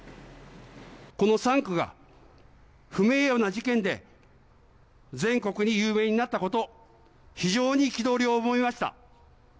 この３区が、不名誉な事件で全国に有名になったこと、非常に憤りを覚えました。